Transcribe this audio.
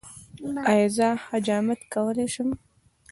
ایا زه حجامت کولی شم؟